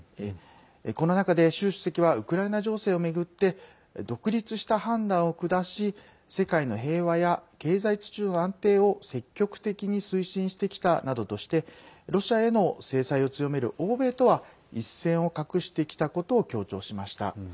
この中で習主席はウクライナ情勢を巡って独立した判断を下し世界の平和や経済秩序の安定を積極的に推進してきたなどとしてロシアへの制裁を強める欧米とは一線を画してきたことを強調しました。